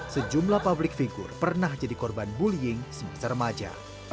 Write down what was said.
sejumlah publik figur pernah jadi korban bullying semasa remaja